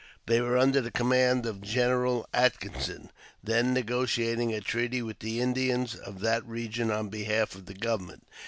They were under the command of General Atkinson, then negotiating a treaty with the Indians of that region on behalf of the govern ment.